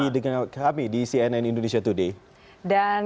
dengan kami di cnn indonesia today